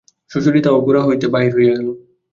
সুচরিতা ও গোরা ঘর হইতে বাহির হইয়া গেল।